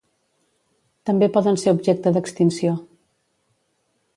També poden ser objecte d'extinció.